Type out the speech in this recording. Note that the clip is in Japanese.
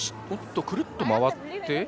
おっと、くるっと回って？